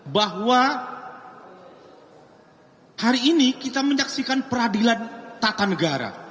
bahwa hari ini kita menyaksikan peradilan tata negara